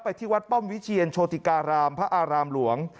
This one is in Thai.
ที่วัดป้อมวิเชียรโชติการามพระอารามหลวง